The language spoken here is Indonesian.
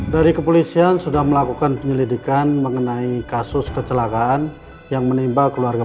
dari kepolisian sudah melakukan penyelidikan mengenai kasus kecelakaan yang menimba keluarga